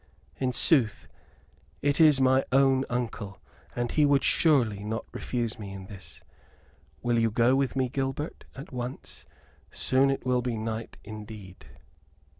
"In sooth, it is mine own uncle, and he surely would not refuse me in this. Will you go with me, Gilbert, at once? Soon it will be night indeed."